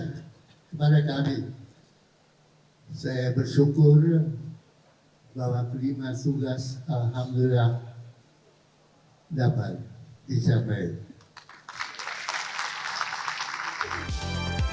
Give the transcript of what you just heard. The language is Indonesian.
kepada kami saya bersyukur bahwa terima tugas alhamdulillah dapat dicapai